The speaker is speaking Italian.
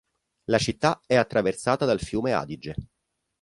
La città è attraversata dal fiume Adige.